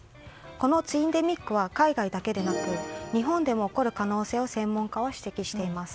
このツインデミックは海外だけでなく日本でも起こる可能性を専門家は指摘しています。